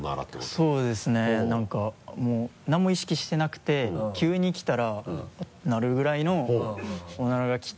そうですねなんかもう何も意識してなくて急にきたら「あっ」てなるぐらいのオナラがきて。